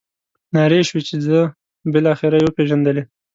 نارې شوې چې ځه بالاخره یې وپېژندلې.